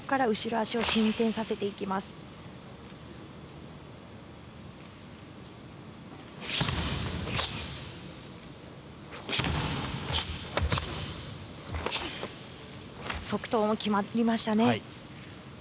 足刀も決まりましたね。